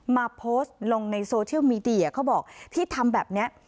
มาโพสต์ลงในโซเชียลมีเดียเขาบอกที่ทำแบบนี้